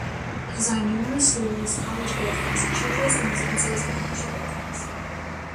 He designed numerous schools, college buildings, churches and residences and commercial buildings.